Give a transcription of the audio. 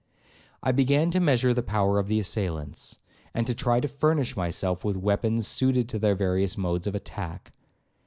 I began to measure the power of the assailants, and to try to furnish myself with weapons suited to their various modes of attack.